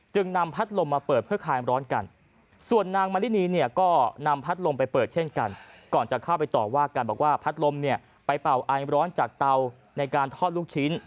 จึงนำพัดลมมาเปิดเพื่อขายไฟร้อนกันส่วนนางมารินีนี้ยก่อนำพัดได้ลงไปเปิดเช่นกัน